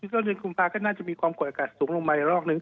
ต้นเดินกลุ่มภาก็น่าจะมีความกล่วยอากาศสูงลงมารอกหนึ่ง